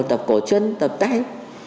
tập cổ chân tập tay